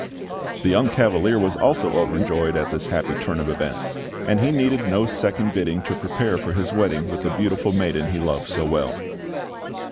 The young Cavalier was also overjoyed at this happy turn of events; and he needed no second bidding to prepare for his wedding with the beautiful maiden he loved so well.